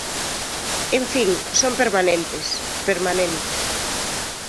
En fin, son permanentes, permanentes.